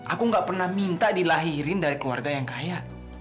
aku gak pernah minta dilahirin dari keluarga yang kaya